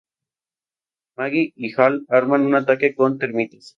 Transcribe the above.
Maggie y Hal arman un ataque con termitas.